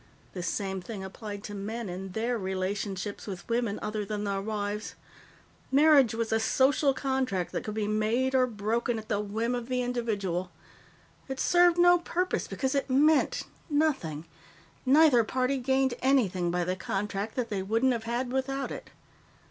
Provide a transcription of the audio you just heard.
The same thing applied to men in their relationships with women other than their wives. Marriage was a social contract that could be made or broken at the whim of the individual. It served no purpose because it meant nothing, neither party gained anything by the contract that they couldn't have had without it.